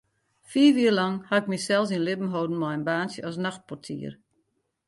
Fiif jier lang ha ik mysels yn libben holden mei in baantsje as nachtportier.